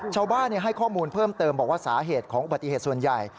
ชาวบ้านให้ข้อมูลเพิ่มเติมบอกว่าสาเหตุของอุบัติเหตุส่วนใหญ่